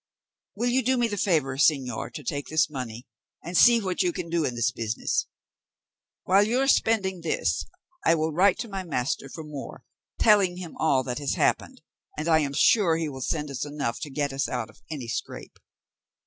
Will you do me the favour, señor, to take this money, and see what you can do in this business. While you are spending this, I will write to my master for more, telling him all that has happened, and I am sure he will send us enough to get us out of any scrape."